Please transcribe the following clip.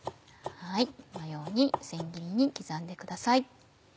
このように千切りに刻んでください。